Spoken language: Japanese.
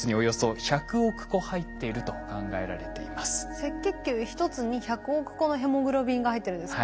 赤血球１つに１００億個のヘモグロビンが入ってるんですか？